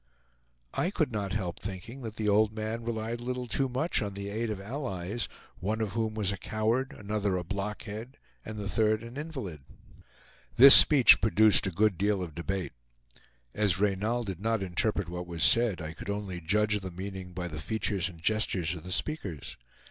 I could not help thinking that the old man relied a little too much on the aid of allies, one of whom was a coward, another a blockhead, and the third an invalid. This speech produced a good deal of debate. As Reynal did not interpret what was said, I could only judge of the meaning by the features and gestures of the speakers.